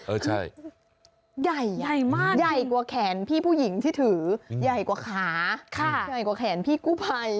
เออใช่ใหญ่ใหญ่มากใหญ่กว่าแขนพี่ผู้หญิงที่ถือใหญ่กว่าขาใหญ่กว่าแขนพี่กู้ภัย